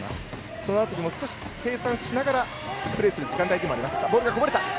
その辺りも少し計算しながらプレーする時間帯でもあります。